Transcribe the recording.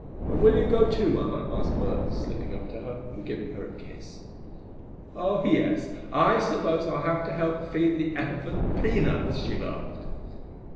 "And will you go, too, mamma?" asked Bert, slipping up to her, and giving her a kiss. "Oh, yes, I suppose I'll have to help feed the elephant peanuts," she laughed.